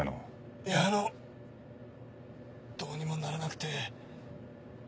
いやあのどうにもならなくて。